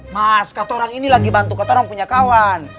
mas keturang ini lagi bantu keturang punya kawan